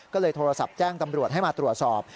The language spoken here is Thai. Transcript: ก็เลยโทรศัพท์แจ้งตำรวจให้มาตรวจสอบ